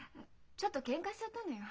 ちょっとケンカしちゃったのよ。